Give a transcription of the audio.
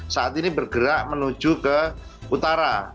saat ini bergerak menuju ke utara